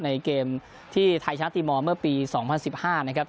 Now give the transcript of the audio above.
ในเกมที่ไทยชาติมอเมื่อปีสองพันสิบห้านะครับ